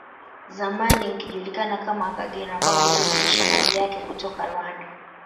Zamani ukijulikana kama Akagera ambao hutiririsha maji yake kutoka Rwanda